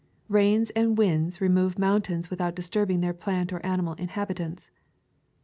Rains and winds remove mountains without disturbing their plant or animal inhabitants.